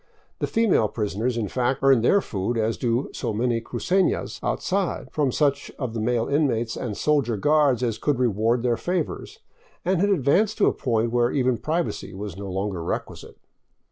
The female prisoners, in fact, earned their food as do so many crucefias outside, from such of the male inmates and soldier guards as could reward their favors, and had advanced to a point where even privacy was no longer requisite.